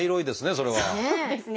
そうですね。